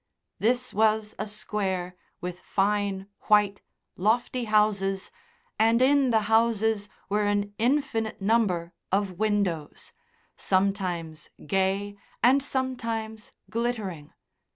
This was a Square with fine, white, lofty houses, and in the houses were an infinite number of windows, sometimes gay and sometimes glittering.